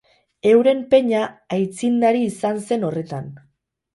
Euren peña aitzindari izan zen horretan.